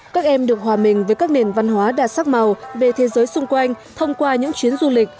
các em được hòa mình với các nền văn hóa đạt sắc màu về thế giới xung quanh thông qua những chuyến du lịch